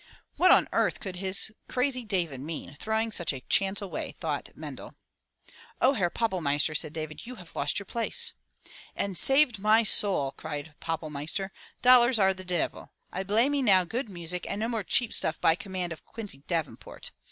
What on earth could his crazy David mean throwing such a chance away? thought Mendel. "Oh, Herr Pappelmeister," said David, "you have lost your place!" "And saved my soul!" cried Pappelmeister. "Dollars are de devil. I blay me now good music and no more cheap stuff by command of Quincy Davenport!"